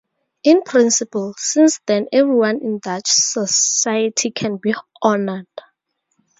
In principle, since then everyone in Dutch society can be honoured.